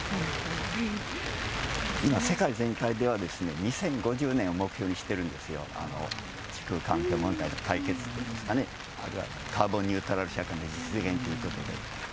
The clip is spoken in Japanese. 今、世界全体では２０５０年を目標にしているんですよ、地球環境問題の解決、あるいはカーボンニュートラル社会の実現ということで。